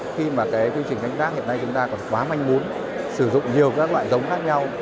khi mà cái quy trình canh tác hiện nay chúng ta còn quá manh muốn sử dụng nhiều các loại giống khác nhau